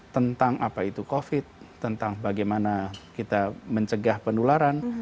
tentang apa itu covid tentang bagaimana kita mencegah penularan